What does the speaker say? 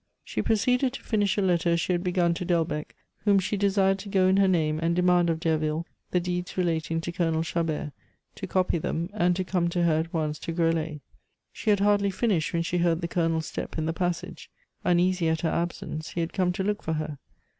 She proceeded to finish a letter she had begun to Delbecq, whom she desired to go in her name and demand of Derville the deeds relating to Colonel Chabert, to copy them, and to come to her at once to Groslay. She had hardly finished when she heard the Colonel's step in the passage; uneasy at her absence, he had come to look for her.